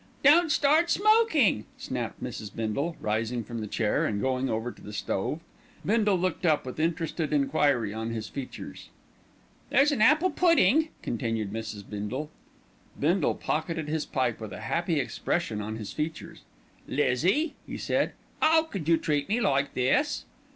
"Don't start smoking," snapped Mrs. Bindle, rising from the chair and going over to the stove. Bindle looked up with interested enquiry on his features. "There's an apple pudding," continued Mrs. Bindle. Bindle pocketed his pipe with a happy expression on his features. "Lizzie," he said, "'ow could you treat me like this?"